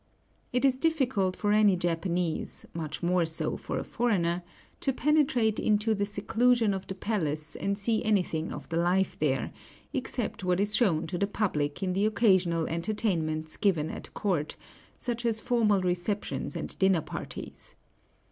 It is difficult for any Japanese, much more so for a foreigner, to penetrate into the seclusion of the palace and see anything of the life there, except what is shown to the public in the occasional entertainments given at court, such as formal receptions and dinner parties.